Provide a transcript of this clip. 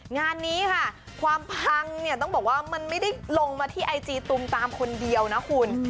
งานนี้ค่ะความพังเนี่ยต้องบอกว่ามันไม่ได้ลงมาที่ไอจีตูมตามคนเดียวนะคุณ